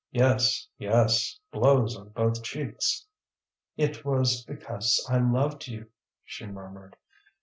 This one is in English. Yes, yes, blows on both cheeks!" "It was because I loved you," she murmured.